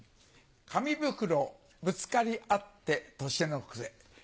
紙袋ぶつかり合って年の暮れ。